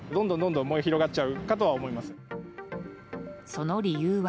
その理由は。